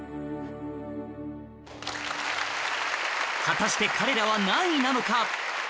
果たして彼らは何位なのか？